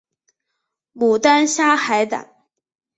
牡丹虾海胆